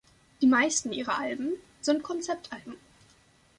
Die meisten ihrer Alben sind Konzeptalben.